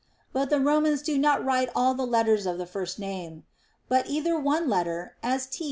But the "Romans do not write all the letters of the first name ; but either one letter, as T.